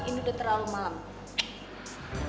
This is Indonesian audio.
ini udah terlalu malam